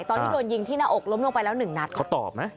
ตอนที่โดนยิงที่หน้าอกล้มลงไปแล้วหนึ่งนัดเขาตอบไหม